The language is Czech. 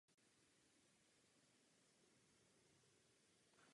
Moldavsko je prioritní zemí české zahraniční rozvojové spolupráce.